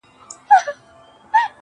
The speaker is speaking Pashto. • د سکريټو آخيري قطۍ ده پاته.